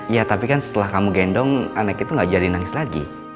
ya tapi kan setelah kamu gendong anak itu gak jadi nangis lagi